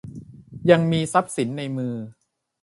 ยังมีทรัพย์สินในมือ